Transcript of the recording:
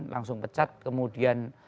langsung pecat kemudian